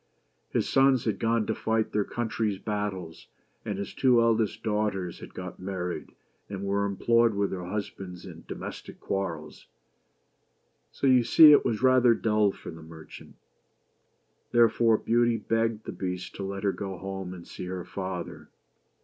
His sons had gone to fight their country's battles, and his two eldest daughters had got married and were em ployed with their husbands in domestic quarrels ; so you see it was rather dull for the merchant. Therefore Beauty begged the Beast to let her go home and see her father.